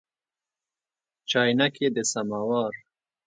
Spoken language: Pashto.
چاینکي د سماوار